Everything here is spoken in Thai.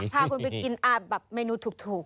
ผ่าคุณไปกินอาจแบบเมนูถูก